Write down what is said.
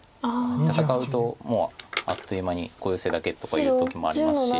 戦うともうあっという間に小ヨセだけとかいう時もありますし。